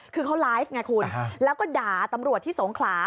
คือเขาไลฟ์ไงคุณแล้วก็ด่าตำรวจที่สงขลา